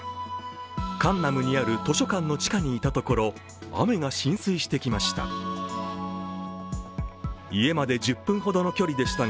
カンナムにある図書館の地下にいたところ、雨が浸水してきました。